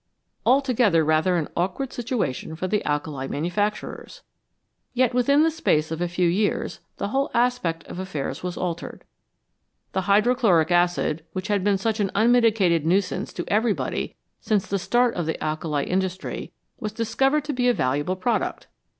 Altogether rather an awkward situation for the alkali manufacturers ! Yet within the space of a few years the whole aspect of affairs was altered. The hydro chloric acid, which had been such an unmitigated nuisance to everybody since the start of the alkali industry, was discovered to be a valuable product.